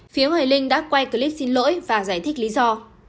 phía hoài linh đã quay clip xin lỗi và giải thích lý do